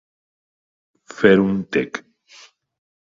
Fer un tec.